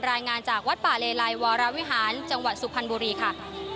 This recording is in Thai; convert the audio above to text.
รายงานจากวัดป่าเลไลวรวิหารจังหวัดสุพรรณบุรีค่ะ